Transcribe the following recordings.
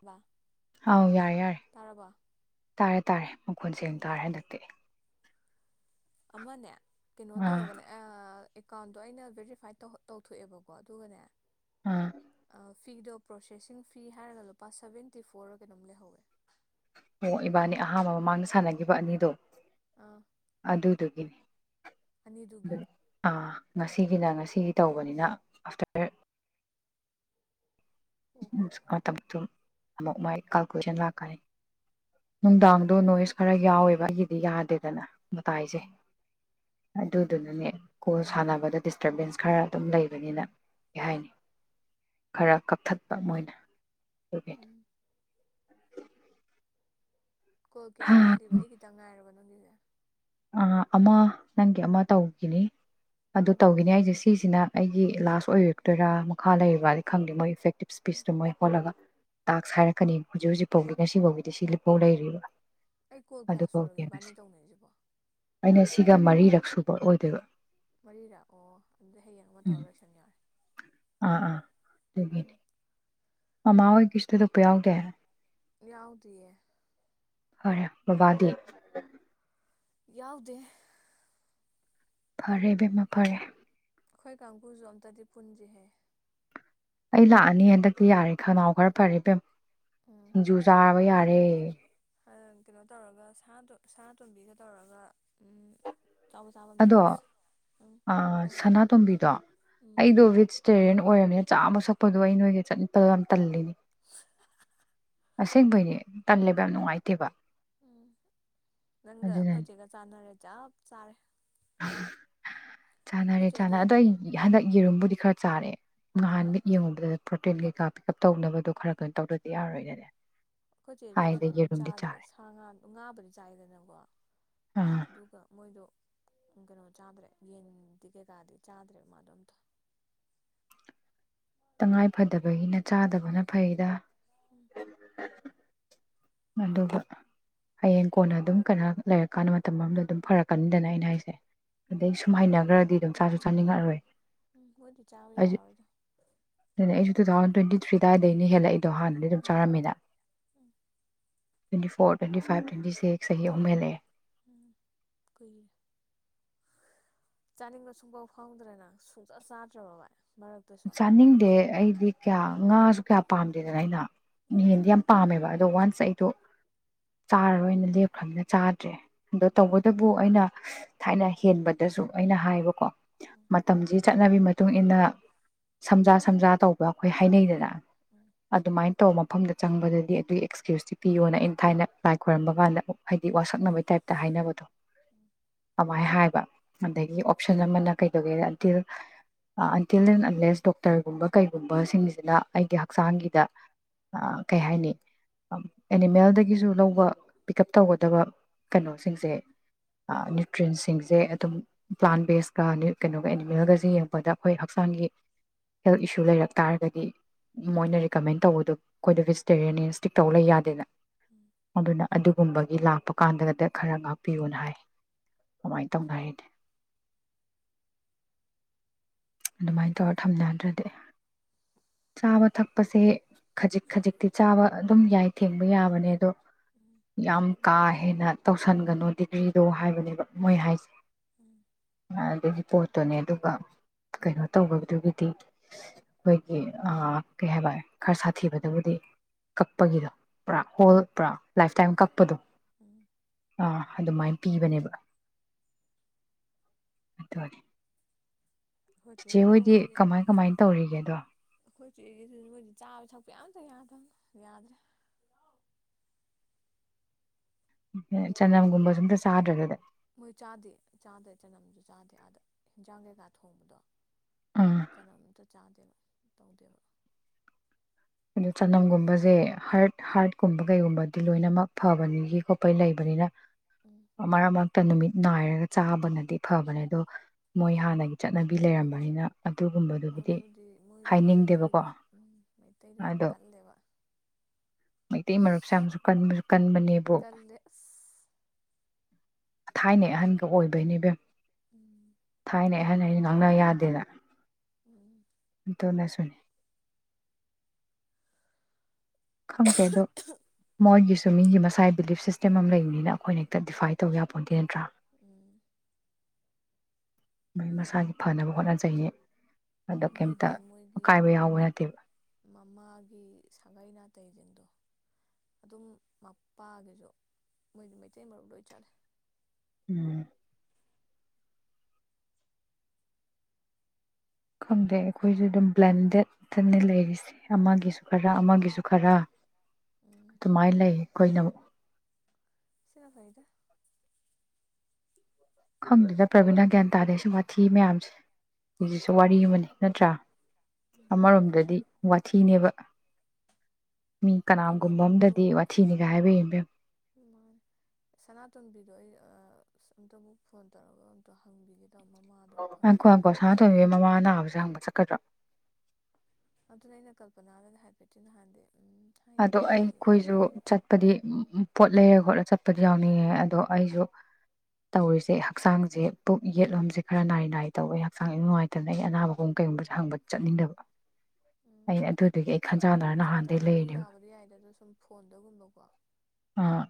ꯕꯥ ꯑꯥꯎ ꯌꯥꯔꯦ ꯌꯥꯔꯦ ꯇꯥꯔꯕꯣ ꯇꯥꯔꯦ ꯇꯥꯔꯦ ꯃꯈꯣꯟ ꯁꯦꯡ ꯑꯣ ꯇꯥꯔꯦ ꯍꯟꯗꯛꯇꯤ ꯑꯃꯅꯦ ꯀꯩꯅꯣ ꯑꯥ ꯇꯧꯔꯒꯅꯦ ꯑ ꯑꯦꯀꯥꯎꯟꯗꯣ ꯑꯩꯅ ꯕꯦꯔꯤꯐꯥꯏꯠ ꯇꯧ ꯇꯧꯊꯣꯛꯑꯦꯕꯀꯣ ꯑꯗꯨꯒꯅꯦ ꯑ ꯑꯥ ꯐꯤꯗꯣ ꯄ꯭ꯔꯣꯁꯦꯁꯤꯡ ꯐꯤ ꯍꯥꯏꯔꯒ ꯂꯨꯄꯥ ꯁꯕꯦꯟꯇꯤ ꯐꯣꯔ ꯀꯩꯅꯣꯝ ꯂꯩꯍꯧꯋꯦ ꯑꯣ ꯏꯕꯥꯅꯤ ꯑꯍꯥꯟꯕ ꯃꯃꯥꯡꯗ ꯁꯥꯟꯅꯈꯤꯕ ꯑꯅꯤꯗꯣ ꯑꯥ ꯑꯗꯨꯗꯨꯒꯤꯅꯤ ꯑꯅꯤꯗꯨꯒꯤ ꯑꯥ ꯉꯁꯤꯒꯤꯅ ꯉꯁꯤꯒꯤ ꯇꯧꯕꯅꯤꯅ ꯑꯥꯐꯇꯔ ꯑꯣ ꯍꯣꯏ [unintelligible] ꯑꯃꯨꯛ ꯃꯥꯏ ꯀꯟꯀꯂꯨꯁꯟ ꯂꯥꯛꯀꯅꯤ ꯅꯨꯗꯥꯥꯡꯗꯣ ꯅꯣꯏꯁ ꯈꯔ ꯌꯥꯎꯋꯦꯕ ꯎꯝ ꯑꯩꯒꯤꯗꯤ ꯌꯥꯗꯦꯗꯅ ꯃꯇꯥꯏꯁꯦ ꯎꯝ ꯑꯗꯨꯗꯨꯅꯅꯦ ꯀꯣ ꯁꯥꯟꯅꯕꯗ ꯗꯤꯁꯇꯔꯕꯦꯟꯁ ꯈꯔ ꯑꯗꯨꯝ ꯂꯩꯕꯅꯤꯅ ꯀꯩ ꯍꯥꯏꯅꯤ ꯈꯔ ꯀꯛꯊꯠꯄ ꯃꯣꯏꯅ ꯗꯨꯒꯤꯅꯤ ꯎꯝ ꯀꯣ ꯀꯌꯥ ꯋꯥꯠꯂꯤꯕ ꯑꯩ ꯈꯤꯇꯪ ꯉꯥꯏꯔꯕ [unintelligible] ꯑꯥ ꯑꯃ ꯅꯪꯒꯤ ꯑꯃ ꯇꯧꯒꯤꯅꯤ ꯑꯗꯨ ꯎꯝ ꯇꯧꯈꯤꯅꯤ ꯍꯥꯏꯁꯦ ꯁꯤꯁꯤꯅ ꯑꯩꯒꯤ ꯂꯥꯁ ꯑꯣꯏꯔꯛꯇꯣꯏꯔꯥ ꯃꯈꯥ ꯂꯩꯔꯤꯕꯗꯤ ꯈꯪꯗꯦ ꯃꯣꯏꯒꯤ ꯐꯦꯛ ꯇꯤꯞꯁ ꯎꯝ ꯄꯤꯆ ꯃꯣꯏ ꯍꯣꯠꯂꯒ ꯇꯥꯛꯁ ꯍꯥꯏꯔꯛꯀꯅꯤ ꯍꯧꯖꯤꯛ ꯍꯧꯖꯤꯛꯐꯥꯎꯒꯤ ꯎꯝ ꯉꯁꯤ ꯐꯥꯎꯒꯤꯗꯤ ꯁꯤ ꯂꯤꯄꯥꯎ ꯂꯩꯔꯤ [unintelligible] ꯑꯩ ꯀꯣꯜ ꯀꯌꯥ ꯁꯨꯔꯒꯦ ꯏꯕꯥꯅꯤ ꯇꯧꯅꯩꯁꯤꯕꯣ ꯑꯩꯅ ꯁꯤꯒ ꯃꯔꯤꯔꯛ ꯁꯨꯕ ꯑꯣꯏꯗꯣꯏꯕ ꯃꯔꯤꯔꯛ ꯑꯣ ꯑꯗꯨꯗꯤ ꯍꯌꯦꯡ ꯑꯃ ꯎꯝ ꯇꯧꯔ ꯂꯣꯏꯁꯟ ꯌꯥꯔꯦ ꯑꯥ ꯎꯝ ꯃꯃꯥꯍꯣꯏ ꯀꯩꯁꯨ ꯊꯣꯏꯗꯣꯛꯄ ꯌꯥꯎꯗꯦ ꯌꯥꯎꯗꯤꯌꯦ ꯐꯔꯦ ꯕꯕꯥꯗꯤ ꯌꯥꯎꯗꯦ ꯐꯔꯦ ꯏꯕꯦꯝꯃꯥ ꯐꯔꯦ ꯑꯩꯈꯣꯏ ꯀꯥꯡꯕꯨꯁꯨ ꯑꯝꯇꯗꯤ ꯄꯨꯟꯁꯤꯍꯦ ꯑꯩ ꯂꯥꯛꯑꯅꯤ ꯍꯟꯗꯛꯇꯤ ꯌꯥꯔꯦ ꯈꯅꯥꯎ ꯈꯔ ꯐꯔꯦ ꯏꯕꯦꯝ ꯎꯝ ꯁꯤꯡꯖꯨ ꯆꯥꯕ ꯌꯥꯔꯦ ꯔꯦ ꯀꯩꯅꯣ ꯇꯧꯔꯒ ꯁꯥ ꯁꯅꯥꯇꯣꯝꯕꯤꯒ ꯇꯧꯔꯒ ꯆꯥꯕ ꯆꯥꯕ ꯑꯝꯇ ꯑꯗꯣ ꯆꯠꯁꯦ ꯎꯝ ꯑꯥ ꯍꯥꯏꯔꯣ ꯁꯅꯥꯇꯣꯝꯕꯤꯗꯣ ꯎꯝ ꯑꯩꯗꯣ ꯚꯦꯖꯤꯇꯦꯔꯤꯌꯟ ꯑꯣꯏꯔꯝꯃꯤꯅ ꯆꯥꯕ ꯁꯛꯄꯗꯣ ꯑꯩ ꯅꯣꯏꯒ ꯆꯠꯄꯗꯣ ꯌꯥꯝ ꯇꯜꯂꯤꯅꯦ [unintelligible] ꯑꯁꯦꯡꯕꯩꯅꯦ ꯇꯜꯂꯦꯕ ꯌꯥꯝ ꯅꯨꯡꯉꯥꯏꯇꯦꯕ ꯎꯝ ꯅꯪꯒ ꯑꯗꯨꯅꯅꯦ ꯑꯩꯈꯣꯏꯆꯦꯒ ꯆꯥꯟꯅꯔꯦ ꯆꯞ ꯆꯥꯔꯦ [unintelligible] ꯑꯩꯈꯣꯏ ꯆꯥꯅꯔꯦ ꯆꯥꯟꯅ ꯆꯦꯗꯣ ꯑꯗꯣ ꯑꯩ ꯍꯟꯗꯛ ꯌꯦꯔꯨꯝꯕꯨꯗꯤ ꯈꯔ ꯆꯥꯔꯦ ꯉꯍꯥꯟ ꯎꯝ ꯃꯤꯠ ꯌꯦꯡꯉꯨꯕꯗ ꯄ꯭ꯔꯣꯇꯤꯟ ꯀꯩꯀꯥ ꯄꯤꯛ ꯎꯞ ꯇꯧꯅꯕꯗꯣ ꯈꯔ ꯀꯩꯅꯣ ꯇꯧꯗꯗꯤ ꯌꯥꯔꯣꯏꯅꯅꯦ ꯑꯩꯈꯣꯏꯆꯦꯁꯨ ꯍꯥꯏꯗ ꯀꯩꯅꯣ ꯌꯦꯔꯨꯝꯗꯤ ꯆꯥꯗ꯭ꯔꯦ ꯆꯥꯔꯦ ꯁꯥ ꯉꯥ ꯉꯥꯕꯨꯗꯤ ꯆꯥꯏꯗꯅꯀꯣ ꯑꯥ ꯑꯗꯨꯒ ꯃꯣꯏꯗꯣ ꯀꯩꯅꯣ ꯆꯥꯗ꯭ꯔꯦ ꯌꯦꯟꯗꯤ ꯀꯩꯀꯥꯗꯤ ꯆꯥꯗ꯭ꯔꯦ ꯃꯥꯗꯣ ꯑꯝꯇ ꯇꯉꯥꯏ ꯐꯗꯕꯒꯤꯅ ꯆꯥꯗꯕꯅ ꯐꯩꯗ ꯎꯝ [unintelligible] ꯑꯗꯨꯒ ꯍꯌꯦꯡ ꯀꯣꯟꯅ ꯑꯗꯨꯝ ꯀꯩꯅ ꯂꯩꯔꯀꯥꯟꯗ ꯃꯇꯝ ꯑꯃꯗ ꯑꯗꯨꯝ ꯐꯔꯛꯀꯅꯤꯗꯅ ꯑꯩꯅ ꯍꯥꯏꯁꯦ ꯎꯝ ꯑꯗꯩ ꯁꯨꯝ ꯍꯩꯅꯈ꯭ꯔꯗꯤ ꯑꯗꯨꯝ ꯆꯥꯁꯨ ꯆꯥꯅꯤꯡꯉꯛꯑꯔꯣꯏ ꯎꯝ ꯈꯣꯏꯗꯤ ꯆꯥꯎ ꯑꯩꯁꯨ ꯌꯥꯔꯥꯔꯣꯢꯗ ꯑꯩꯁꯨ ꯇꯨ ꯊꯥꯎꯖꯟ ꯇ꯭ꯋꯦꯟꯇꯤ ꯊ꯭ꯔꯤ ꯗꯥꯢꯗꯩꯅꯦ ꯍꯦꯂꯛꯏ ꯑꯗꯣ ꯍꯥꯟꯅꯗꯤ ꯑꯗꯨꯝ ꯎꯝ ꯆꯥꯔꯝꯃꯤꯅ ꯎꯝ twenty four twenty five twenty six ꯆꯍꯤ ꯑꯍꯨꯝ ꯍꯦꯂꯛꯑꯦ ꯎ ꯀꯩꯒꯤ ꯆꯥꯅꯤꯡꯕ ꯁꯨꯡꯐꯥꯎ ꯐꯥꯎꯗ꯭ꯔꯦꯅ ꯁꯨꯡꯆ ꯆꯥꯗ꯭ꯔꯕ ꯚꯏ ꯆꯥꯅꯤꯡꯗꯦ ꯑꯩꯗꯤ ꯀꯌꯥ ꯉꯥꯁꯨ ꯀꯌꯥ ꯄꯥꯝꯗꯦꯗꯅ ꯑꯩꯅ ꯎꯝ ꯌꯦꯟꯗꯤ ꯌꯥꯝ ꯄꯥꯝꯃꯦꯕ ꯑꯗꯣ ꯋꯥꯟꯁ ꯑꯩꯗꯣ ꯆꯥꯔꯔꯣꯏꯅ ꯂꯦꯞꯈ꯭ꯔꯝꯃꯤꯅ ꯆꯥꯗ꯭ꯔꯦ ꯑꯗꯣ ꯎꯝ ꯇꯧꯕꯇꯕꯨ ꯑꯩꯅ ꯊꯥꯏꯅ ꯍꯦꯟꯕꯗꯁꯨ ꯑꯩꯅ ꯍꯥꯢꯕꯀꯣ ꯎꯝ ꯃꯇꯝꯁꯤ ꯆꯠꯅꯕꯤ ꯃꯇꯨꯡ ꯏꯟꯅ ꯎꯝ ꯎꯝ ꯎꯝ ꯎꯝ ꯁꯝꯖꯥ ꯁꯝꯖꯥ ꯇꯧꯕ ꯑꯩꯈꯣꯏ ꯍꯥꯢꯅꯩꯗꯅ ꯑꯗꯨꯃꯥꯏꯟ ꯇꯧꯕ ꯃꯐꯝꯗ ꯆꯪꯕꯗꯗꯤ ꯑꯗꯨꯒꯤ ꯑꯦꯛꯁꯀ꯭ꯌꯨꯁꯇꯤ ꯄꯤꯌꯣꯅ ꯑꯩꯅ ꯊꯥꯢꯅ ꯂꯥꯏ ꯈꯣꯏꯔꯝꯕ ꯀꯥꯟꯗ ꯍꯥꯏꯗꯤ ꯋꯥꯁꯛꯅꯕꯩ ꯇꯥꯏꯞꯇ ꯍꯥꯏꯅꯕꯗꯣ ꯑꯗꯨꯃꯥꯏꯅ ꯍꯥꯏꯕ ꯑꯗꯒꯤ ꯑꯣꯞꯁꯟ ꯑꯃꯅ ꯀꯩꯗꯧꯒꯦ ꯑꯟꯇꯤꯜ ꯑꯟꯇꯤꯜ ꯀꯂꯦꯖ ꯗꯣꯛꯇꯔꯒꯨꯝꯕ ꯀꯩꯒꯨꯝꯕꯁꯤꯡꯁꯤꯅ ꯑꯩꯒꯤ ꯍꯛꯆꯥꯡꯒꯤꯗ ꯀꯩ ꯍꯥꯏꯅꯤ ꯑꯦꯅꯤꯃꯦꯜꯗꯒꯤꯁꯨ ꯂꯧꯕ ꯄꯤꯛ ꯑꯞ ꯇꯧꯒꯗꯕ ꯀꯩꯅꯣꯁꯤꯡꯁꯦ ꯅ꯭ꯌꯨꯇ꯭ꯔꯦꯟꯁꯤꯡꯁꯦ ꯑꯗꯨꯝ ꯄ꯭ꯂꯥꯟ ꯕꯦꯁꯀ ꯀꯩꯅꯣꯒ ꯑꯦꯅꯤꯃꯦꯜꯒꯖꯦ ꯌꯦꯡꯉꯛꯄꯗ ꯑꯩꯈꯣꯏ ꯍꯛꯆꯥꯡꯒꯤ ꯍꯦꯜꯊ ꯏꯁꯨ ꯂꯩꯔꯛ ꯇꯥꯔꯒꯗꯤ ꯃꯣꯏꯅ ꯔꯤꯀꯃꯦꯟ ꯇꯧꯕꯗꯣ ꯑꯩꯈꯣꯏꯗ ꯚꯦꯖꯤꯇꯦꯔꯤꯌꯥꯟꯅꯦ ꯁ꯭ꯇꯤꯛ ꯇꯧ ꯂꯩ ꯌꯥꯗꯦꯅ ꯑꯗꯨꯅ ꯑꯗꯨꯒꯨꯝꯕꯒꯤ ꯂꯥꯛꯄ ꯀꯥꯟꯗꯒꯗ ꯈꯔ ꯉꯥꯛꯄꯤꯌꯣꯅ ꯍꯥꯏ ꯑꯃꯥꯏꯅ ꯇꯧꯅꯔꯦ ꯑꯩꯗꯤ ꯑꯗꯨꯃꯥꯏꯅ ꯇꯧꯔꯦ ꯊꯝꯅꯗ꯭ꯔꯗꯤ ꯆꯥꯕ ꯊꯛꯄꯁꯦ ꯈꯖꯤꯛ ꯈꯖꯤꯛꯇꯤ ꯆꯥꯕ ꯑꯗꯨꯝ ꯌꯥꯏ ꯊꯦꯡꯕ ꯌꯥꯕꯅꯦ ꯑꯗꯣ ꯎꯝ ꯌꯥꯝ ꯀꯥ ꯍꯦꯟꯅ ꯇꯧꯁꯟꯒꯅꯨ ꯗꯤꯒ꯭ꯔꯤꯗꯣ ꯍꯥꯏꯕꯅꯦꯕ ꯃꯣꯏ ꯍꯥꯏꯁꯦ ꯎꯝ ꯑ ꯑꯗꯨꯒꯤ ꯄꯣꯠꯇꯨꯅꯦ ꯑꯗꯨꯒ ꯀꯩꯅꯣ ꯇꯧꯕꯗꯨꯒꯤ ꯑꯩꯈꯣꯏꯒꯤ ꯑ ꯀꯩ ꯍꯥꯏꯕ ꯈꯔ ꯁꯥꯊꯤꯕꯗꯕꯨꯗꯤ ꯀꯛꯄꯒꯤꯗꯣ ꯄꯨꯔꯥ ꯍꯣꯜ ꯄꯨꯔꯥ ꯂꯥꯏꯐ ꯇꯥꯏꯝ ꯀꯛꯄꯗꯣ ꯎꯝ ꯑꯥ ꯑꯗꯨꯃꯥꯏꯟ ꯄꯤꯕꯅꯦꯕ ꯑꯗꯨꯅꯦ ꯑꯩꯈꯣꯏ ꯆꯦꯁꯦ ꯃꯣꯏꯗꯤ ꯀꯃꯥꯏꯅ ꯇꯧꯔꯤꯒꯦꯗꯣ ꯑꯩꯈꯣꯏ ꯆꯦꯒꯤꯁꯤ ꯃꯣꯏꯗꯤ ꯆꯥꯕ ꯊꯛꯄ ꯑꯝꯇ ꯌꯥꯗꯝꯅꯤ ꯌꯥꯗ꯭ꯔꯦ ꯆꯅꯝꯒꯨꯝꯕꯖꯨ ꯑꯝꯇ ꯆꯥꯗ꯭ꯔꯦ ꯑꯗꯨꯗꯤ ꯃꯣꯏ ꯆꯥꯗꯦ ꯆꯥꯗꯦ ꯆꯅꯝꯖꯨ ꯆꯥꯗꯦ ꯑꯥꯗ ꯍꯤꯟꯖꯥꯡ ꯀꯩꯀꯥ ꯊꯣꯡꯕꯗꯣ ꯎꯝ ꯆꯅꯝ ꯑꯝꯇ ꯆꯥꯗꯦꯕ ꯇꯧꯗꯦꯕ ꯑꯗꯨ ꯆꯅꯝꯒꯨꯝꯕꯖꯦ ꯍꯥꯔꯠ ꯍꯥꯔꯠꯀꯨꯝꯕ ꯀꯩꯒꯨꯝꯕꯗꯤ ꯂꯣꯏꯅꯃꯛ ꯐꯕꯅꯤꯒꯤ ꯈꯣꯠꯄꯩ ꯂꯩꯕꯅꯤꯅ ꯎꯝ ꯃꯔꯛ ꯃꯔꯛ ꯇ ꯅꯨꯃꯤꯠ ꯅꯥꯏꯔꯒ ꯆꯥꯕꯅꯗꯤ ꯐꯕꯅꯦ ꯑꯗꯣ ꯃꯣꯏ ꯍꯥꯟꯅꯒꯤ ꯆꯠꯅꯕꯤ ꯂꯩꯔꯝꯕꯅꯤꯅ ꯍꯣꯏ ꯑꯗꯨꯒꯨꯝꯕꯗꯨꯕꯨꯗꯤ ꯃꯣꯏꯗꯤ ꯃꯣꯏꯗꯤ ꯍꯥꯏꯅꯤꯡꯗꯦꯕꯀꯣ ꯃꯩꯇꯩꯗ [unintelligible] ꯑꯗꯣ ꯀꯜꯂꯦꯕ ꯃꯩꯇꯩ ꯃꯔꯨꯞꯁꯦ ꯌꯥꯝꯁꯨ ꯀꯟꯕꯁꯨ ꯀꯟꯕꯅꯦꯕꯨ ꯀꯜꯂꯦ ꯑꯁ ꯊꯥꯏꯅ ꯑꯍꯟꯒ ꯑꯣꯏꯕꯩꯅꯦꯕꯦꯝ ꯎꯝ ꯊꯥꯏꯅꯦ ꯍꯥꯏꯅ ꯑꯩꯁꯦ ꯉꯪꯅ ꯌꯥꯗꯦꯗ ꯎꯝ ꯑꯗꯨꯅꯁꯨꯅꯤ ꯈꯪꯗꯦ ꯑꯗꯣ ꯃꯣꯏꯒꯤꯁꯨ ꯃꯤꯒꯤ ꯃꯁꯥꯏ ꯕꯤꯂꯤꯐ ꯁꯤꯁꯇꯦꯝ ꯑꯃ ꯂꯩꯕꯅꯤꯅ ꯑꯩꯈꯣꯏꯅ ꯍꯦꯛꯇ ꯗꯤꯐꯥꯏ ꯇꯧ ꯌꯥ ꯄꯣꯟꯟꯗꯦ ꯅꯠꯇ꯭ꯔꯥ ꯎꯝ ꯃꯍꯩ ꯃꯁꯥꯒꯤ ꯐꯅꯕ ꯍꯣꯠꯅꯖꯩ ꯃꯣꯏꯗꯤ ꯃꯣꯏꯒꯤ ꯅꯠꯇꯦꯕ ꯃꯃꯥꯒꯤ ꯁꯥꯒꯩ ꯅꯥꯇꯩꯗꯨꯅꯤ ꯑꯗꯣ ꯑꯗꯨꯝ ꯃꯄꯥꯒꯤꯁꯨ ꯃꯣꯏꯒꯤ ꯃꯩꯇꯩ ꯃꯔꯨꯞ ꯂꯣꯏ ꯆꯠꯂꯦ ꯎꯝ ꯈꯪꯗꯦ ꯑꯩꯈꯣꯏꯁꯨ ꯑꯗꯨꯝ ꯕ꯭ꯂꯦꯟꯗꯦꯠ ꯅꯠꯇꯅꯤ ꯂꯩꯔꯤꯁꯦ ꯑꯃꯒꯤꯁꯨ ꯈꯔ ꯑꯃꯒꯤꯁꯨ ꯈꯔ ꯎꯝ ꯑꯗꯨꯃꯥꯏꯅ ꯂꯩ ꯑꯩꯈꯣꯏꯅ ꯑꯃꯨꯛ ꯁꯤꯅ ꯐꯥꯏꯗ ꯈꯪꯗꯨꯗ ꯄ꯭ꯔꯕꯤꯅꯥ ꯒ꯭ꯌꯥꯟ ꯇꯥꯗꯩꯁꯨ ꯋꯥꯊꯤ ꯃꯌꯥꯝꯁꯦ ꯁꯤꯁꯤꯁꯨ ꯋꯥꯔꯤ ꯑꯃꯅꯤ ꯅꯠꯇ꯭ꯔꯥ ꯑꯃꯔꯣꯝꯗꯗꯤ ꯋꯥꯊꯤꯅꯦꯕ ꯃꯤ ꯀꯅꯥꯒꯨꯝꯕ ꯀꯩꯅꯣꯗꯨꯕꯨ ꯑꯝꯗꯗꯤ ꯋꯥꯊꯤꯅꯤꯒ ꯍꯥꯏꯕ ꯏꯕꯦꯝ ꯁꯅꯥꯇꯣꯟꯕꯤꯗꯣ ꯑꯩ ꯑꯁ ꯑꯃꯨꯇ ꯑꯃꯨꯛ ꯐꯣꯟ ꯇꯧꯔꯒ ꯑꯝꯇ ꯍꯪꯕꯤꯒꯦ ꯇꯧ ꯃꯃꯥꯗꯨꯕꯨ ꯑꯪꯀꯣ ꯐꯔꯖꯥꯠꯂ ꯑꯪꯀꯣ ꯈꯪꯗꯦ ꯁꯥꯅꯥꯇꯣꯏꯕꯤꯒꯤ ꯃꯃꯥ ꯅꯥꯕꯁꯦ ꯍꯪꯕ ꯆꯠꯀꯗ꯭ꯔꯣ ꯑꯗꯨꯅ ꯑꯩꯅ ꯀꯜꯄꯅꯥꯗꯗꯤ ꯍꯥꯏꯐꯦꯠꯇꯤ ꯅꯍꯥꯟꯗꯤ ꯎꯝ ꯑꯗꯣ ꯍꯥꯏꯈꯤꯕꯅꯦ ꯀꯩ ꯑꯩꯈꯣꯏꯁꯨ ꯆꯠꯄꯗꯤ ꯎ ꯄꯣꯠ ꯂꯩꯔ ꯈꯣꯠꯂ ꯆꯠꯄꯗꯤ ꯌꯥꯎꯅꯤꯡꯉꯦ ꯑꯗꯣ ꯑꯩꯁꯨ ꯇꯧꯔꯤꯁꯦ ꯍꯛꯆꯥꯡꯁꯦ ꯄꯨꯛ ꯌꯦꯠꯂꯣꯝꯁꯦ ꯈꯔ ꯅꯥꯏ ꯅꯥꯏ ꯇꯧꯋꯦ ꯍꯛꯆꯥꯡꯁ ꯅꯨꯡꯉꯥꯏꯇꯅ ꯑꯩ ꯑꯅꯥꯕꯒꯨꯝ ꯀꯩꯒꯨꯝꯕꯁꯦ ꯍꯪꯕ ꯆꯠꯅꯤꯡꯗꯕ ꯎꯝ ꯑꯩ ꯑꯗꯨꯗꯨꯒꯤ ꯑꯩ ꯈꯟꯖꯥꯟꯅꯔ ꯅꯍꯥꯟꯗꯩ ꯆꯠꯇ꯭ꯔꯕꯗꯤ ꯂꯩꯔ ꯌꯥꯕꯗꯤ ꯌꯥꯏꯗ ꯑꯗꯣ ꯁꯨꯝ ꯐꯣꯟꯗꯒꯨꯝꯕꯀꯣ ꯑꯥ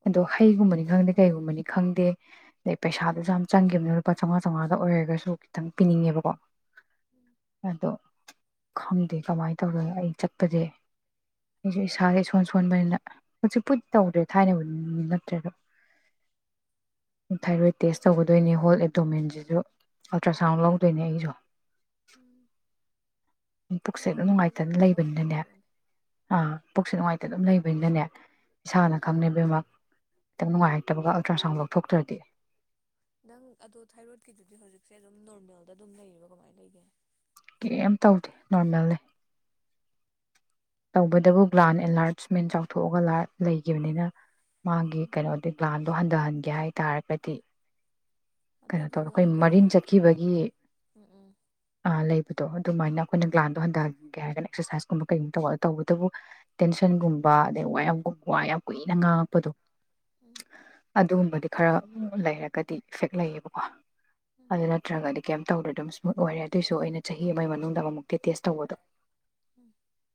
ꯋꯥꯔꯤ ꯑꯗꯣ ꯋꯥꯇꯥꯏ ꯁꯨꯝ ꯍꯩꯒꯨꯝꯕꯅꯤ ꯇꯧꯋꯤ ꯈꯪꯗꯦ ꯍꯪꯕꯤꯕ ꯀꯩꯒꯨꯝꯕꯅꯤ ꯈꯪꯗꯦ ꯑꯗꯩ ꯎꯝ ꯄꯩꯁꯥꯗꯨꯁꯨ ꯌꯥꯝ ꯆꯪꯈꯤꯕꯅꯤ ꯂꯨꯄꯥ ꯆꯥꯝꯃꯉꯥ ꯆꯥꯝꯃꯉꯥ ꯑ ꯑꯣꯏꯔꯒꯁꯨ ꯈꯤꯇꯪ ꯄꯤꯅꯤꯡꯉꯦꯕꯀꯣ ꯎꯝ ꯑꯗꯣ ꯈꯪꯗꯦ ꯀꯃꯥꯏꯅ ꯇꯧꯗꯨꯏꯅꯣ ꯑꯩ ꯆꯠꯄꯁꯦ ꯑꯩꯁꯨ ꯏꯁꯥꯒꯤ ꯏꯁꯣꯟ ꯁꯣꯟꯕꯅꯤꯅ ꯍꯧꯖꯤꯛꯄꯨꯗꯤ ꯇꯧꯗ꯭ꯔꯦ ꯊꯥꯏꯅ ꯋꯥꯔꯤ ꯅꯠꯇ꯭ꯔꯦꯗꯣ ꯊꯥꯏꯔꯣꯏꯗ ꯇꯦꯁ ꯇꯧꯒꯗꯣꯏꯅꯦ ꯍꯣꯜ ꯑꯦꯕꯗꯣꯃꯦꯟꯁꯤꯁꯨ ꯑꯜꯇ꯭ꯔꯁꯥꯎꯟ ꯂꯧꯗꯣꯏꯅꯦ ꯑꯩꯁꯨ ꯎꯝ ꯄꯨꯛꯁꯦ ꯑꯗꯨꯝ ꯈꯣꯃꯥꯒꯤꯁꯨ ꯅꯨꯡꯉꯥꯏꯇꯅ ꯂꯩꯕꯅꯤꯅꯅꯦ ꯂꯧꯗ꯭ꯔꯤꯕꯅꯦ ꯑꯥ ꯄꯨꯛꯁꯦ ꯅꯨꯡꯉꯥꯏꯇꯅ ꯑꯗꯨꯝ ꯂꯩꯕꯅꯤꯅꯅꯦ ꯏꯁꯥꯅ ꯎꯝ ꯈꯪ [unintelligible] ꯈꯤꯇꯪ ꯅꯨꯡꯉꯥꯏꯔꯛꯇꯕꯒ ꯑꯜꯇ꯭ꯔꯁꯥꯎꯟ ꯂꯧꯊꯣꯛꯇ꯭ꯔꯗꯤ ꯅꯪ ꯑꯗꯣ ꯊꯥꯏꯔꯣꯗꯀꯤꯗꯨꯗꯤ ꯍꯧꯖꯤꯛꯁꯦ ꯑꯗꯨꯝ ꯅꯣꯔꯃꯦꯜꯗ ꯑꯗꯨꯝ ꯂꯩꯔꯤꯕꯣ ꯀꯃꯥꯏꯅ ꯂꯩꯒꯦ ꯀꯩꯝ ꯇꯧꯗꯦ ꯅꯣꯔꯃꯦꯜꯂꯤ ꯇꯧꯕꯇꯕꯨ ꯒ꯭ꯂꯥꯟ ꯑꯦꯟꯂꯥꯔꯁꯃꯦꯟ ꯆꯥꯎꯊꯣꯛꯑꯒ ꯂꯩꯈꯤꯕꯅꯤꯅ ꯃꯥꯒꯤ ꯀꯩꯅꯣꯗꯤ ꯒ꯭ꯂꯥꯟ ꯑꯗꯣ ꯍꯟꯊꯍꯟꯒꯦ ꯍꯥꯏꯇꯥꯔꯒꯗꯤ ꯀꯩꯅꯣ ꯇꯧꯋ ꯑꯗꯨꯗꯨꯒ ꯈꯣꯏ ꯑꯩꯈꯣꯏ ꯍꯟꯊ ꯃꯔꯤꯟ ꯈꯟ ꯆꯠꯈꯤꯕꯒꯤ ꯎꯝ ꯎꯝ ꯑꯥ ꯂꯩꯕꯗꯣ ꯑꯗꯨꯃꯥꯏꯅ ꯑꯩꯈꯣꯏꯅ ꯎꯝ ꯒ꯭ꯂꯥꯟꯗꯣ ꯍꯟꯊꯒꯦ ꯍꯥꯏꯔꯒꯅ ꯑꯦꯛꯁꯔꯁꯥꯏꯁ ꯑꯃꯣꯛ ꯀꯩꯒꯨꯝ ꯇ ꯇꯧꯕꯇꯕꯨ ꯇꯦꯟꯁꯟꯒꯨꯝꯕ ꯑꯗꯩ ꯋꯥꯌꯝ ꯋꯥ ꯌꯥꯝ ꯀꯨꯏꯅ ꯉꯥꯡꯉꯛꯄꯗꯣ ꯎꯝ ꯎꯝ ꯑꯗꯨꯒꯨꯝꯕꯗꯤ ꯈꯔ ꯂꯩꯔꯒꯗꯤ ꯏꯐꯦꯛ ꯂꯩꯌꯦꯕꯀꯣ ꯎꯝ ꯑꯗꯨ ꯅꯠꯇ꯭ꯔꯒꯗꯤ ꯀꯩꯝ ꯇꯧꯗꯔ ꯗꯨꯃ ꯑꯣꯏꯔꯦ ꯑꯗꯨꯑꯣꯏꯁꯨ ꯑꯩꯅ ꯆꯍꯤ ꯑꯃꯒꯤ ꯃꯅꯨꯡꯗ ꯑꯃꯨꯛꯇꯤ ꯇꯦꯁ ꯇꯧꯕꯗꯣ ꯎꯝ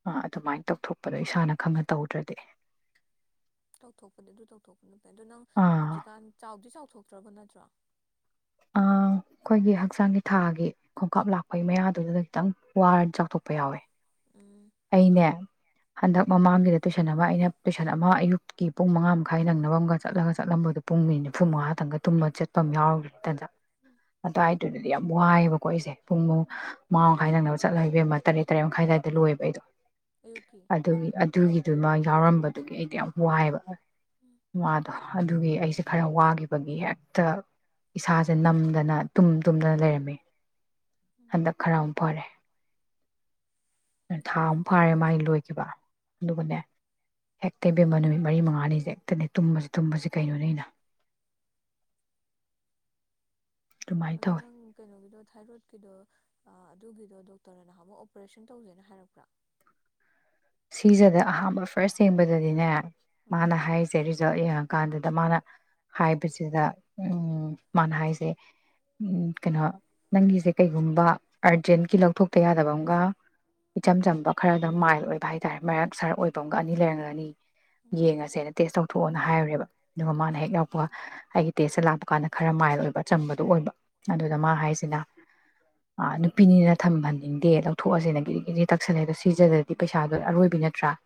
ꯑ ꯑꯗꯨꯃꯥꯏꯅ ꯇꯧꯊꯣꯛ ꯄꯗꯣ ꯏꯁꯥꯅ ꯈꯪꯅ ꯇꯧꯗ꯭ꯔꯗꯤ ꯇꯧꯊꯣꯛꯄꯗꯤ ꯑꯗꯨ ꯇꯧꯊꯣꯛꯄꯅ ꯐꯩ ꯑꯗꯣ ꯅꯪ ꯑꯥ ꯍꯧꯖꯤꯛꯀꯥꯟ ꯆꯥꯎꯗꯤ ꯆꯥꯎꯊꯣꯛ ꯇ꯭ꯔꯕ ꯅꯠꯇ꯭ꯔꯣ ꯑꯩꯈꯣꯏꯒꯤ ꯍꯛꯆꯥꯡꯒꯤ ꯊꯥꯒꯤ ꯈꯣꯡꯀꯥꯞ ꯂꯥꯛꯄꯒꯤ ꯃꯌꯥꯗꯨꯗ ꯈꯤꯇꯪ ꯋꯥꯔ ꯆꯥꯎꯊꯣꯛꯄ ꯌꯥꯎꯋꯦ ꯎꯝ ꯎꯝ ꯑꯩꯅꯦ ꯍꯟꯗꯛ ꯃꯃꯥꯡꯒꯤꯗ ꯇꯨꯏꯁꯟ ꯑꯃ ꯑꯩꯅ ꯇꯨꯏꯁꯟ ꯑꯃ ꯑꯌꯨꯛꯀꯤ ꯄꯨꯡ ꯃꯉꯥ ꯃꯈꯥꯏ ꯅꯪꯅꯕ ꯑꯃꯒ ꯆꯠꯂꯒ ꯆꯠꯂꯝꯕꯗꯣ ꯄꯨꯡ ꯃꯤꯅꯤꯠ ꯅꯤꯐꯨꯃꯉꯥꯇꯪꯒ ꯇꯨꯝꯃ ꯆꯠꯄ ꯑꯃ ꯌꯥꯎꯔꯤ ꯇꯟꯖꯥ ꯑꯗꯨꯋꯥꯏꯗꯨꯗ ꯌꯥꯝ ꯋꯥꯏꯑꯦꯕꯀꯣ ꯑꯩꯁꯦ ꯄꯨꯡ ꯃꯉꯥ ꯎꯝ ꯃꯈꯥꯏ ꯅꯪꯅꯕ ꯆꯠꯂ ꯏꯕꯦꯝꯃ ꯇꯔꯦꯠꯗ ꯇꯔꯦꯠꯃꯈꯥꯏ ꯑꯗꯨꯋꯥꯏꯗ ꯂꯣꯏꯕ ꯑꯩꯗꯣ ꯑꯌꯨꯛꯀꯤ ꯑꯗꯨꯒꯤ ꯑꯗꯨꯒꯤꯗꯨ ꯃꯥꯒꯤ ꯌꯥꯎꯔꯝꯕꯗꯨꯒꯤ ꯑꯩꯗꯤ ꯌꯥꯝ ꯋꯥꯏꯑꯕ ꯃꯥꯗꯣ ꯑꯗꯨꯒꯤ ꯑꯩꯁꯦ ꯈꯔ ꯋꯥꯈꯤꯕꯒꯤ ꯍꯦꯛꯇ ꯏꯁꯥꯁꯦ ꯅꯝꯗꯅ ꯇꯨꯝ ꯇꯨꯝꯗꯅ ꯂꯩꯔꯝꯃꯤ ꯎꯝ ꯍꯟꯗꯛ ꯈꯔ ꯑꯃꯨꯛ ꯐꯔꯦ ꯊꯥ ꯑꯃꯨ ꯐꯥꯔꯦ ꯑꯗꯨꯗ ꯃꯥꯒꯤ ꯂꯣꯏꯈꯤꯕ ꯑꯗꯨꯒꯅꯦ ꯍꯦꯛꯇ ꯏꯕꯦꯝꯕ ꯅꯨꯃꯤꯠ ꯃꯔꯤ ꯃꯉꯥꯅꯤꯁꯦ ꯍꯦꯛꯇꯅꯦ ꯇꯨꯝꯕꯁꯤ ꯇꯨꯝꯕꯁꯤ ꯀꯩꯅꯣꯅꯤ ꯑꯩꯅ ꯑꯗꯣ ꯅꯪ ꯀꯩꯅꯣꯒꯤꯗꯣ ꯊꯥꯏꯔꯣꯏꯗꯀꯤꯗꯣ ꯑꯗꯨꯒꯤꯗꯣ ꯗꯣꯛꯇꯔꯅ ꯅꯍꯥꯟ ꯑꯃꯨꯛ ꯑꯣꯄꯔꯦꯁꯟ ꯇꯧꯖꯦꯅ ꯍꯥꯏꯔꯛꯄ꯭ꯔꯥ ꯁꯤꯁꯤꯗ ꯑꯍꯥꯟꯕ ꯐꯥꯔꯁ ꯌꯦꯡꯕꯗꯗꯤꯅꯦ ꯎꯝ ꯃꯥꯅ ꯍꯥꯏꯔꯤꯖꯦ ꯔꯤꯖꯂ ꯀꯥꯟꯗꯨꯗ ꯃꯥꯅ ꯍꯥꯏꯕꯁꯤꯗ ꯃꯥꯅ ꯍꯥꯏꯁꯦ ꯀꯩꯅꯣ ꯅꯪꯒꯤꯁꯦ ꯀꯩꯒꯨꯝꯕ ꯑꯔꯖꯦꯟꯒꯤ ꯂꯧꯊꯣꯛꯇ ꯌꯥꯗꯕ ꯑꯃꯒ ꯏꯆꯝ ꯆꯝꯕ ꯈꯔꯗ ꯃꯥꯏꯜ ꯑꯣꯏ [unintelligible] ꯃꯔꯛ ꯁꯥꯍꯔ ꯑꯣꯏꯕ ꯑꯃꯒ ꯑꯅꯤ ꯂꯩꯔꯝꯒ ꯑꯅꯤ ꯎꯝ ꯌꯦꯡꯉꯁꯦꯅ ꯇꯦꯁ ꯇꯧꯊꯣꯛ ꯊꯣꯛꯅ ꯍꯥꯏꯔꯃꯦꯕ ꯑꯗꯨꯒ ꯃꯥꯅ ꯎꯝ ꯍꯦꯛ ꯌꯥꯎꯄꯒ ꯑꯩꯒꯤ ꯇꯦꯁ ꯂꯥꯛꯄ ꯀꯥꯟꯗ ꯈꯔ ꯃꯥꯏ ꯑꯣꯏꯕ ꯆꯝꯕꯗꯨꯣ ꯑꯣꯏꯕ ꯑꯗꯨꯗ ꯃꯥ ꯎꯝ ꯍꯥꯏꯁꯤꯅ ꯑ ꯅꯨꯄꯤꯅꯤꯅ ꯊꯝꯍꯟꯅꯤꯡꯗꯦ ꯂꯧꯊꯣꯛꯑꯁꯤꯅ ꯗꯤꯔꯤꯔꯤ ꯇꯛꯁꯜꯂꯦ ꯑꯗꯣ ꯁꯤꯖꯗꯗꯤ ꯎꯝ ꯄꯩꯁꯥ ꯑꯔꯣꯏꯕꯤ ꯅꯠꯇ꯭ꯔꯥ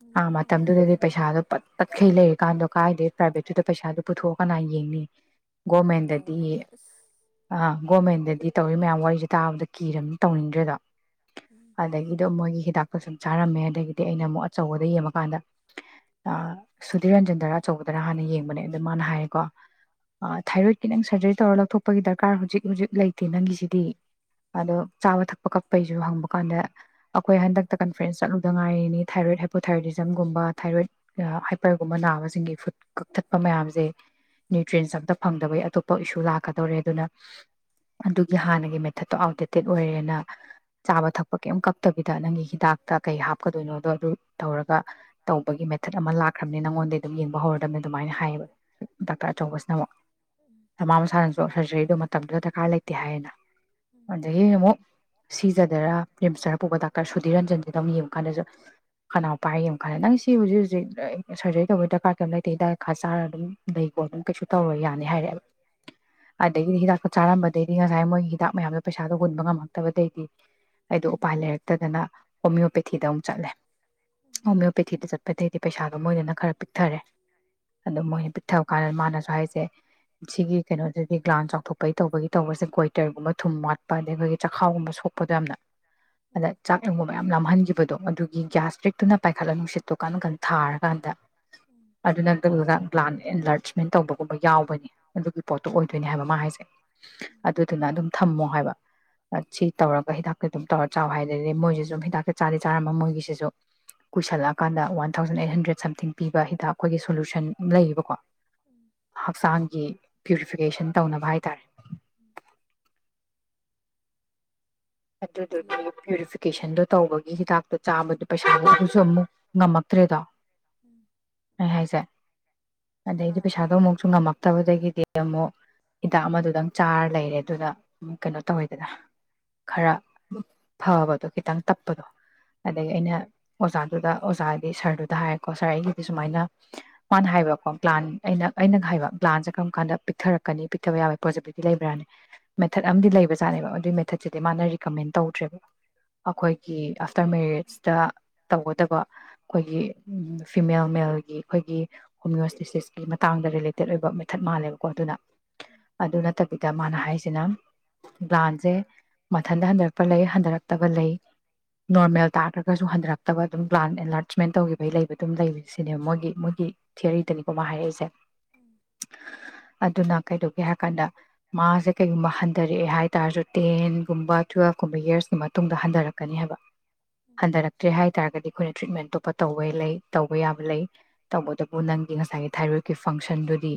ꯎꯝ ꯑ ꯌꯥꯔꯦ ꯌꯥꯔꯦ ꯃꯇꯝꯗꯨꯗꯗꯤ ꯌꯥꯔꯦ ꯄꯩꯁꯥꯗꯣ ꯄꯠ ꯄꯠꯈꯩ ꯂꯩꯔ ꯀꯥꯟꯗꯣ ꯀꯥꯏꯗꯦ ꯄ꯭ꯔꯥꯏꯚꯦꯠꯇꯨꯗ ꯄꯩꯁꯥꯗꯨ ꯄꯨꯊꯣꯛꯑ ꯀꯅꯥ ꯌꯦꯡꯉꯤ ꯒꯣꯃꯦꯗꯗꯤ ꯅꯣꯡꯃꯗ ꯑꯁ ꯑ ꯒꯣꯔꯃꯦꯟꯗꯗꯤ ꯇꯧꯔꯤ ꯃꯌꯥꯝ ꯋꯥꯔꯤꯁꯦ ꯇꯥꯕꯗ ꯀꯤꯔꯅꯤ ꯎꯝ ꯇꯧꯅꯤꯡꯗ꯭ꯔꯦꯗꯣ ꯎꯝ ꯑꯗꯒꯤꯗꯣ ꯃꯣꯏꯒꯤ ꯍꯤꯗꯥꯛ ꯁꯨꯝ ꯆꯥꯔꯝꯃꯦ ꯑꯗꯒꯤꯗꯤ ꯑꯩꯅ ꯑꯃꯨꯛ ꯑꯆꯧꯕꯗ ꯌꯦꯡꯉꯀꯥꯟꯗ ꯁꯨꯙꯤꯔ ꯔꯟꯖꯟꯗꯔ ꯑꯆꯧꯕꯗꯔ ꯍꯥꯟꯅ ꯌꯦꯡꯕꯅꯦ ꯑꯗꯣ ꯃꯥꯅ ꯍꯥꯏꯔꯦꯀꯣ ꯊꯥꯏꯔꯣꯏꯗꯀꯤ ꯅꯪ ꯁꯔꯖꯔꯤ ꯇꯧꯔ ꯂꯧꯊꯣꯛꯄꯒꯤ ꯗꯔꯀꯥꯔ ꯍꯧꯖꯤꯛ ꯍꯧꯖꯤꯛ ꯂꯩꯇꯦ ꯅꯪꯒꯤꯁꯤꯗꯤ ꯑꯗꯣ ꯆꯥꯕ ꯊꯛꯄ ꯀꯛꯄꯩꯁꯨ ꯍꯪꯕ ꯀꯥꯟꯗ ꯑꯩꯈꯣꯏ ꯍꯟꯗꯛ ꯀꯟꯐ꯭ꯔꯦꯟꯁ ꯆꯠꯂꯨꯗ ꯉꯥꯏꯔꯤꯅꯤ ꯊꯥꯏꯔꯣꯏꯗ ꯍꯥꯏꯄꯣꯊꯥꯏꯔꯣꯗꯤꯖꯝꯒꯨꯝꯕ ꯊꯥꯏꯔꯣꯏꯗ ꯍꯥꯏꯄꯔꯒꯨꯝꯕ ꯅꯥꯕꯁ ꯁꯤꯡꯒꯤ ꯐꯨꯗ ꯀꯛꯊꯠꯄ ꯃꯌꯥꯝꯁꯦ ꯅ꯭ꯌꯨꯇ꯭ꯔꯤꯟꯁ ꯑꯝꯇ ꯐꯪꯗꯕꯩ ꯑꯇꯣꯞꯄ ꯏꯁꯨ ꯂꯥꯛꯀꯗꯧꯔꯦ ꯑꯗꯨꯅ ꯑꯗꯨꯒꯤ ꯍꯥꯟꯅꯒꯤ ꯃꯦꯊꯠꯇꯣ ꯑꯥꯎꯠꯗꯦꯇꯦꯠ ꯑꯣꯏꯔꯦꯅ ꯆꯥꯕ ꯊꯛꯄ ꯀꯩꯝ ꯀꯞꯛꯇꯕꯤꯗ ꯅꯪꯒꯤ ꯍꯤ ꯀ ꯍꯥꯞꯀꯗꯣꯏꯅꯣꯗꯣ ꯑꯗꯨ ꯇꯧꯔꯒ ꯇꯧꯕꯒꯤ ꯃꯦꯊꯠ ꯑꯃ ꯂꯥꯛꯈ꯭ꯔꯕꯅꯤ ꯅꯪꯉꯣꯟꯗꯝ ꯌꯦꯡꯕ ꯍꯧꯔꯗꯕꯅꯤ ꯑꯗꯨꯃꯥꯏꯅ ꯍꯥꯏꯌꯦꯕ ꯗꯥꯛꯇꯔ ꯎꯝ ꯑꯆꯧꯕꯁꯤꯅ ꯑꯃꯨꯛ ꯎꯝ ꯃꯃꯥ ꯃꯁꯥꯅꯁꯨ ꯁꯔꯖꯔꯤꯗꯨ ꯃꯇꯝꯗꯨꯗ ꯗꯔꯀꯥꯔ ꯂꯩꯇꯦ ꯍꯥꯏꯌꯦꯅ ꯎꯝ ꯑꯗꯒꯤ ꯑꯃꯨꯛ ꯁꯤꯖꯗꯔ ꯔꯤꯝꯁꯇꯔ ꯄꯨꯕ ꯗꯥꯛꯇꯔ ꯁꯨ ꯔꯟꯖꯟꯁꯤꯗ ꯑꯃꯛ ꯌꯦꯡꯉꯨ ꯀꯥꯟꯗꯁꯨ ꯎꯝ ꯈꯅꯥꯎ ꯄꯥꯏꯔ ꯌꯦꯡꯌꯨ ꯀꯥꯟꯗ ꯅꯪ ꯁꯤ ꯍꯧꯖꯤꯛ ꯍꯧꯖꯤꯛ ꯁꯔꯖꯔꯤ ꯇꯧꯕꯩ ꯗꯔꯀꯥꯔ ꯀꯩꯝ ꯂꯩꯇꯦ ꯍꯤꯗꯥꯛ ꯈꯔ ꯆꯥꯔꯒ ꯑꯗꯨꯝ ꯑꯗꯨꯝ ꯀꯩꯁꯨ ꯇꯧꯔ ꯌꯥꯅꯤ ꯍꯥꯏꯔꯛꯑꯦꯕ ꯑꯗꯒꯤꯗꯤ ꯍꯤꯗꯥꯛꯇ ꯆꯥꯔꯝꯕꯗꯩꯗꯤ ꯉꯁꯥꯏ ꯃꯣꯏꯒꯤ ꯍꯤꯗꯥꯛ ꯃꯌꯥꯝꯗꯣ ꯄꯩꯁꯥꯗꯣ ꯍꯨꯟꯕ ꯉꯝꯃꯛꯇꯕꯗꯩꯗꯤ ꯑꯩꯗꯣ ꯎꯝ ꯎꯝ ꯎꯄꯥꯏ ꯂꯩꯔꯛꯇꯗꯅ ꯍꯣꯃꯤꯌꯣꯄꯦꯊꯤꯗ ꯑꯃꯨꯛ ꯆꯠꯂꯦ ꯎꯝ ꯍꯣꯃꯤꯌꯣꯄꯦꯊꯤꯗ ꯆꯠꯄ ꯑꯇꯩꯗꯤ ꯄꯩꯁꯥꯗꯣ ꯃꯣꯏꯗꯅ ꯈꯔ ꯄꯤꯛꯊꯔꯦ ꯑꯗꯨ ꯃꯣꯏꯅ ꯄꯤꯛ ꯄꯤꯊꯕ ꯀꯥꯟꯗ ꯃꯥꯅꯁꯨ ꯍꯥꯏꯁꯦ ꯁꯤꯒꯤ ꯀꯩꯅꯣꯗꯗꯤ ꯒ꯭ꯂꯥꯟ ꯆꯥꯎꯊꯣꯛꯄꯒꯤ ꯇꯧꯕꯒꯤ ꯇꯧꯕꯁꯦ ꯀꯒꯣꯏꯇꯔꯒꯨꯝꯕ ꯊꯨꯝ ꯋꯥꯠꯄ ꯑꯗꯗꯒꯤ ꯑꯩꯈꯣꯏꯒꯤ ꯆꯥꯛꯈꯥꯎꯒꯨꯝꯕ ꯁꯣꯛꯄꯗꯣ ꯌꯥꯝꯅ ꯎꯝ ꯑꯗ ꯆꯥꯛ ꯑꯗꯨꯒꯨꯝꯕ ꯃꯌꯥꯝ ꯂꯥꯝꯍꯟꯈꯤꯕꯗꯣ ꯑꯗꯨꯒꯤ ꯒ꯭ꯌꯥꯁ ꯄ꯭ꯔꯤꯛꯇꯨꯅ ꯄꯥꯏꯈꯠꯂ ꯅꯨꯡꯁꯤꯠꯇꯣ ꯀꯟ ꯀꯟ ꯊꯥꯔꯀꯥꯟꯗ ꯎꯝ ꯑꯗꯨꯅꯒ ꯒ꯭ꯂꯥꯟ ꯑꯦꯟꯂꯔꯆ ꯃ ꯇꯧꯕꯒꯨꯝꯕ ꯌꯥꯎꯕꯅꯤ ꯑꯗꯨꯒꯤ ꯄꯣꯠꯇꯣ ꯑꯣꯏꯗꯣꯏꯅꯦ ꯍꯥꯏꯕ ꯃꯥ ꯍꯥꯏꯁꯦ ꯎꯝ ꯑꯗꯨꯗꯨꯅ ꯑꯗꯨꯝ ꯊꯝꯃꯣ ꯍꯥꯏꯕ ꯁꯤ ꯇꯧꯔꯒ ꯍꯤꯗꯥꯛꯇ ꯑꯗꯨꯝ ꯇꯧꯔ ꯆꯥꯎꯋ ꯍꯥꯏꯗ ꯗꯩ ꯃꯣꯏꯁꯤ ꯁꯨꯝ ꯍꯤꯗꯥꯛꯇ ꯆꯥꯗꯤ ꯆꯥꯔꯃ ꯃꯣꯏꯒꯤꯁꯤꯁꯨ ꯀꯨꯏꯁꯜꯂꯛꯑꯀꯥꯟꯗ one thousand eight hundred something ꯄꯤꯕ ꯍꯤꯗꯥꯛ ꯑꯩꯈꯣꯏꯒꯤ ꯁꯣꯂꯨꯁꯟ ꯂꯩꯌꯦꯕꯀꯣ ꯂꯩꯌꯦꯕꯀꯣ ꯍꯛꯆꯥꯡꯒꯤ ꯎꯝ ꯄ꯭ꯌꯨꯔꯤꯐꯤꯀꯦꯁꯟ ꯇꯧꯅꯕ ꯍꯥꯏꯇꯥꯔꯦ ꯎꯝ ꯑꯗꯨꯗꯨꯒꯤ ꯍꯜꯂꯣ ꯄ꯭ꯨꯔꯤꯐꯤꯀꯦꯁꯟꯗꯣ ꯇꯧꯕꯒꯤ ꯍꯤꯗꯥꯛꯇ ꯆꯥꯕꯗꯨ ꯄꯩꯁꯥꯒꯤ ꯑꯗꯨꯁꯨ ꯑꯃꯨꯛ ꯉꯝꯃꯛꯇ꯭ꯔꯦꯗꯣ ꯎꯝ ꯑꯩ ꯍꯥꯏꯁꯦ ꯊꯥ ꯑꯗꯩꯗꯤ ꯄꯩꯁꯥꯗꯣ ꯍꯥꯏꯗꯤ ꯑꯃꯨꯛꯁꯨ ꯉꯝꯃꯛꯇꯕꯗꯒꯤꯗꯤ ꯑꯃꯨꯛ ꯍꯤꯗꯥꯛ ꯑꯃꯗꯨꯗꯪ ꯆꯥꯔ ꯂꯩꯔꯦ ꯑꯗꯨꯅ ꯀꯩꯅꯣ ꯇꯧꯋꯦꯗꯅ ꯈꯔ ꯐꯕꯗꯣ ꯈꯤꯇꯪ ꯇꯞꯄꯗꯣ ꯑꯗꯒꯤ ꯑꯃꯨꯛ ꯑꯩꯅ ꯑꯣꯖꯥ ꯑꯗꯨꯗ ꯑꯣꯖꯥꯗꯤ ꯁꯥꯔꯗꯨꯗ ꯍꯥꯏꯔꯦꯀꯣ ꯁꯥꯔ ꯑꯩꯒꯤꯗꯤ ꯁꯨꯃꯥꯏꯅ ꯃꯥꯅ ꯍꯥꯏꯕꯀꯣ ꯒ꯭ꯂꯥꯟ ꯑꯩꯅ ꯑꯩꯅ ꯍꯥꯏꯕ ꯒ꯭ꯂꯥꯟꯁꯦ ꯀꯔꯝ ꯀꯥꯟꯗ ꯄꯤꯛꯊꯔꯛꯀꯅꯤ ꯄꯤꯛꯊꯕ ꯌꯥꯕꯣꯏ ꯄꯣꯖꯤꯕꯤꯂꯤꯇꯤ ꯂꯩꯕ꯭ꯔꯥꯅꯤ ꯃꯦꯊꯠ ꯑꯃꯗꯤ ꯂꯩꯕꯖꯥꯠꯅꯦꯕ ꯑꯗꯨꯏ ꯃꯦꯊꯠ ꯁꯤꯗꯤ ꯃꯥꯅ ꯔꯤꯀꯃꯦꯟ ꯇꯧꯗ꯭ꯔꯦꯕ ꯎꯝ ꯑꯈꯣꯏꯒꯤ ꯑꯥꯐꯇꯔ ꯃꯦꯔꯦꯖꯇ ꯇꯧꯒꯗꯕ ꯑꯩꯈꯣꯏꯒꯤ ꯎꯝ ꯎꯝ ꯐꯤꯃꯦꯜ ꯃꯦꯜꯒꯤ ꯑꯩꯈꯣꯏꯒꯤ ꯍꯣꯃꯤꯌꯣꯁꯇꯦꯁꯤꯁꯀꯤ ꯃꯇꯥꯡꯗ ꯔꯤꯂꯦꯇꯦꯠ ꯑꯣꯏꯕ ꯃꯦꯊꯠ ꯃꯥꯜꯂꯦꯕꯀꯣ ꯑꯗꯨꯅ ꯃꯥꯜꯂꯦ ꯄꯣꯠꯇꯨꯅ ꯎꯝ ꯑꯗꯨ ꯅꯠꯇꯕꯤꯗ ꯃꯥꯅ ꯍꯥꯏꯁꯤꯅ ꯒ꯭ꯂꯥꯟꯁꯦ ꯃꯊꯟꯇ ꯍꯟꯗꯔꯛꯄ ꯂꯩ ꯍꯟꯗꯔꯛꯇꯕ ꯂꯩ ꯅꯣꯔꯃꯦꯜ ꯇꯥꯈ꯭ꯔꯒꯁꯨ ꯍꯟꯗꯔꯛꯇꯕ ꯑꯗꯨꯝ ꯒ꯭ꯂꯥꯟ ꯑꯦꯟꯂꯥꯔꯆꯃꯦꯟ ꯇꯧꯈꯤꯕꯒꯤ ꯂꯩꯕ ꯑꯗꯨꯝ ꯂꯩ ꯁꯤꯅꯦꯕ ꯃꯣꯏꯒꯤ ꯃꯣꯏꯒꯤ ꯊꯤꯌꯔꯤꯗꯅꯤꯀꯣ ꯃꯥ ꯍꯥꯏꯔꯛꯏꯁꯦ ꯑꯗꯨꯅ ꯀꯩꯗꯧꯒꯦ ꯍꯥꯏꯔ ꯀꯥꯟꯗ ꯃꯥꯁꯦ ꯀꯩꯒꯨꯝꯕ ꯍꯟꯊꯔꯛꯑꯦ ꯍꯥꯏꯇꯥꯔꯁꯨ ꯇꯦꯟ ꯀꯨꯝꯕ ꯇꯨꯋꯦꯜꯐꯀꯨꯝꯕ ꯌꯔꯁꯀꯤ ꯃꯇꯨꯡꯗ ꯍꯟꯗꯔꯛꯀꯅꯤ ꯍꯥꯏꯕ ꯎꯝ ꯍꯟꯗꯔꯛꯇ꯭ꯔꯦ ꯍꯥꯏꯇꯥꯥꯔꯒꯗꯤ ꯑꯩꯈꯣꯏꯅ ꯇ꯭ꯔꯤꯠꯃꯦꯟ ꯑꯇꯣꯞꯄ ꯇꯧꯕ ꯂꯩ ꯇꯧꯕ ꯌꯥꯕ ꯂꯩ ꯇꯧꯕꯇꯕꯨ ꯅꯪꯒꯤ ꯉꯁꯥꯏꯒꯤ ꯊꯥꯏꯔꯣꯏꯗꯀꯤ ꯐꯪꯁꯟꯗꯨꯗꯤ